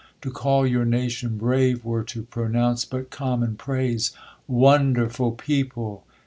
To call your nation }>rave, were to }>ro nounce but common praise. WONDERFUL PEO PLE